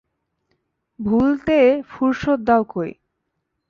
ভুলতে ফুরসৎ দাও কই।